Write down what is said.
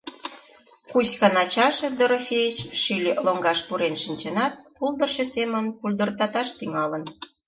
Кузькан ачаже, Дорофеич, шӱльӧ лоҥгаш пурен шинчынат, пулдырчо семын пульдыртаташ тӱҥалын: